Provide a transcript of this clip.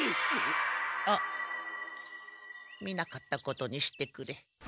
あっ見なかったことにしてくれ。